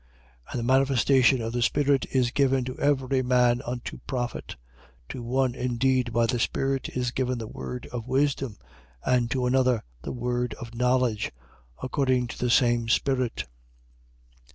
12:7. And the manifestation of the Spirit is given to every man unto profit. 12:8. To one indeed, by the Spirit, is given the word of wisdom: and to another, the word of knowledge, according to the same Spirit: 12:9.